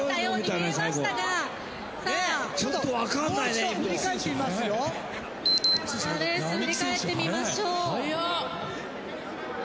レース振り返ってみましょう。